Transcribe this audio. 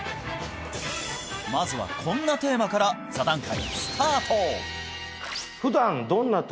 まずはこんなテーマから座談会